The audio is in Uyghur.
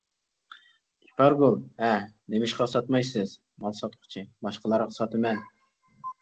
ئىپارگۈل: ھە؟ نېمىشقا ساتمايسىز؟ مال ساتقۇچى : باشقىلارغا ساتىمەن.